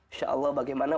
insya allah bagaimana